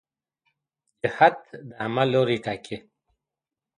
جهت د عمل لوری ټاکي.